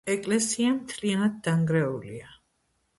ეკლესია მთლიანად დანგრეულია.